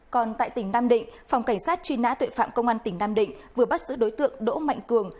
còn tại tỉnh nam định phòng cảnh sát truy nã tội phạm công an tỉnh nam định vừa bắt giữ đối tượng đỗ mạnh cường